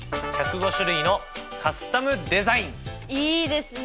いいですね！